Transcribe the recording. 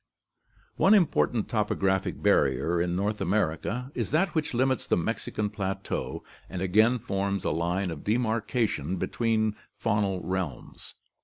One important topographic barrier in North America is that which limits the Mexican plateau and again forms a line of de marcation between faunal realms.